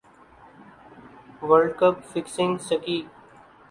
world cup fixing سکی